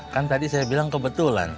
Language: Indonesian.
kan tadi saya bilang kebetulan